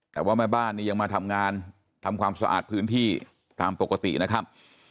แต่ว่าแม่บ้านนี่ยังมาทำงานทำความสะอาดพื้นที่ตามปกตินะครับ